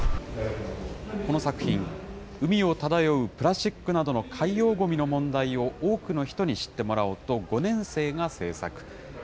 この作品、海を漂うプラスチックなどの海洋ごみの問題を多くの人に知ってもらおうと、５年生が制作。